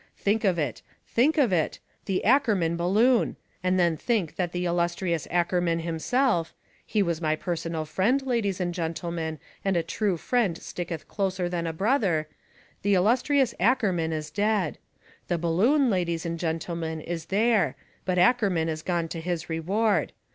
Think of it think of it the Ackerman balloon and then think that the illustrious Ackerman himself he was my personal friend, ladies and gentlemen, and a true friend sticketh closer than a brother the illustrious Ackerman is dead. The balloon, ladies and gentlemen, is there, but Ackerman is gone to his reward.